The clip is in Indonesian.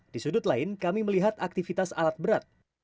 di sudut lain kami melihat aktivitas alat berat